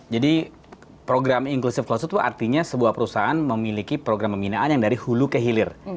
jadi program inklusif closed loop artinya sebuah perusahaan memiliki program pembinaan yang dari hulu ke hilir